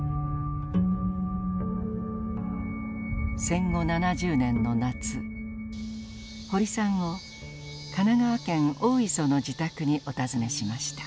戦後７０年の夏堀さんを神奈川県大磯の自宅にお訪ねしました。